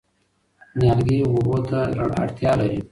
نیالګي اوبو ته اړتیا لري.